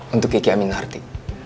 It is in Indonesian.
untuk kiki aminarti